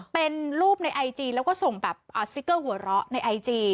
เป็นรูปในไอจีแล้วก็ส่งแบบสติ๊กเกอร์หัวเราะในไอจี